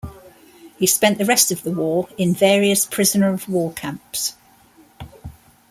He spent the rest of the war in various prisoner of war camps.